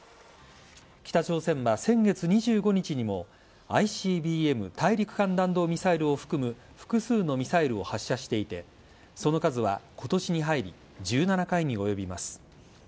北朝鮮は先月２５日にもＩＣＢＭ＝大陸間弾道ミサイルを含む複数のミサイルを発射していてその数は今年に入り、１７回に及びます。